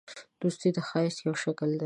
دوستي د ښایست یو شکل دی.